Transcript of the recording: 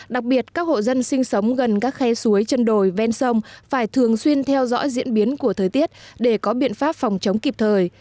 đặc biệt các hộ dân sinh sống gần các khe suối chân đồi ven sông phải thường xuyên theo dõi diễn biến của thời tiết để có biện pháp phòng chống kịp thời